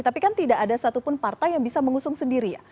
tapi kan tidak ada satupun partai yang bisa mengusung sendiri ya